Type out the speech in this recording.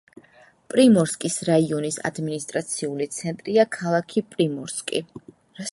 პრიმორსკის რაიონის ადმინისტრაციული ცენტრია ქალაქი პრიმორსკი.